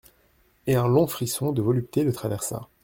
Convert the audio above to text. Et un long frisson de volupté le traversa.